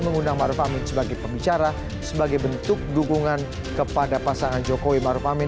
mengundang ⁇ maruf ⁇ amin sebagai pembicara sebagai bentuk dukungan kepada pasangan jokowi maruf amin